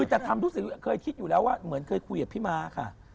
แต่ทำทุกสิ่งเคยคิดอยู่แล้วว่าเหมือนเคยคุยกับพี่ม้าค่ะ